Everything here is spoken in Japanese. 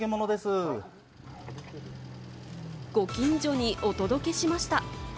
ご近所にお届けしました。